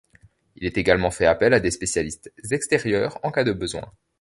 Il est également fait appel à des spécialistes extérieurs en cas de besoin.